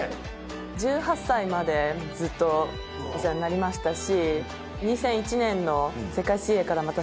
１８歳までずっとお世話になりましたし。